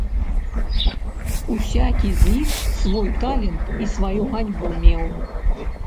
Усякі з іх свой талент і сваю ганьбу меў.